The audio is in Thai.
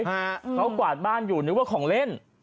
เขากวาดบ้านอยู่นึกว่าของเล่น